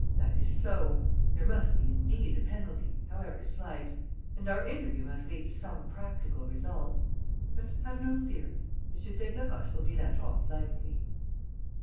That is so. There must indeed be a penalty, however slight, and our interview must lead to some practical result. But have no fear: M. d'Aigleroche will be let off lightly."